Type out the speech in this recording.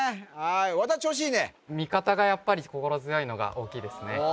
はい和田調子いいね味方がやっぱり心強いのが大きいですね